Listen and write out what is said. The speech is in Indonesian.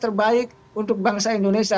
terbaik untuk bangsa indonesia